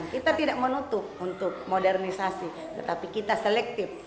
kita tidak menutup untuk modernisasi tetapi kita selektif